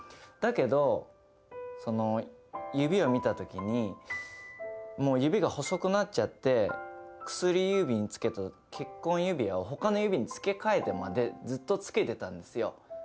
だけどその指を見た時にもう指が細くなっちゃって薬指につけてた結婚指輪を他の指につけ替えてまでずっとつけてたんですよ。